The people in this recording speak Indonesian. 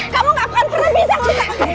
kamu gak akan pernah bisa meli